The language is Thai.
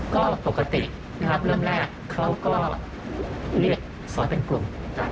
ก็ปกตินะครับเริ่มแรกเขาก็เรียกสอยเป็นกลุ่ม